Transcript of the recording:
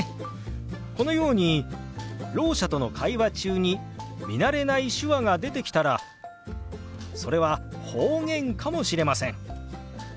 このようにろう者との会話中に見慣れない手話が出てきたらそれは方言かもしれません。